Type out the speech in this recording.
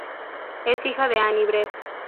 Es hija de Anne Brett.